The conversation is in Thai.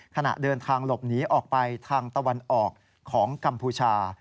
ขณะเดินทางหลบหนีออกไปทางตะวันออกของกัมพูชา